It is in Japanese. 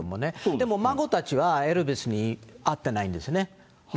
でも孫たちはエルビスに会ってないんですね。